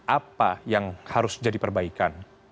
apa yang harus jadi perbaikan